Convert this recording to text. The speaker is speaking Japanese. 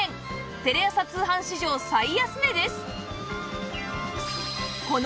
テレ朝通販史上最安値です